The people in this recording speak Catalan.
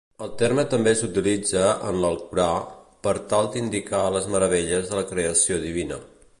El terme també s'utilitza, en l'Alcorà, per tal d'indicar les meravelles de la Creació divina.